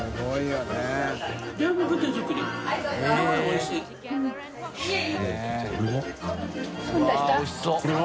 わっおいしそう！